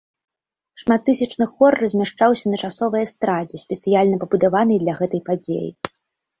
Шматтысячны хор размяшчаўся на часовай эстрадзе, спецыяльна пабудаванай для гэтай падзеі.